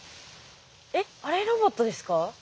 えっあれロボットですか？